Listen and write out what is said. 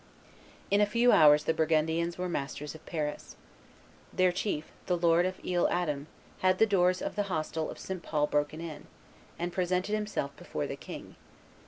In a few hours the Burgundians were masters of Paris. Their chief, the lord of Isle Adam, had the doors of the hostel of St. Paul broken in, and presented himself before the king.